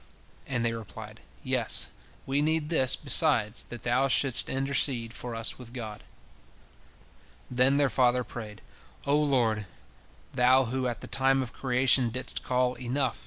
And they replied, Yes, we need this, besides, that thou shouldst intercede for us with God." Then their father prayed: "O Lord, Thou who at the time of creation didst call Enough!